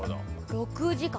６時間。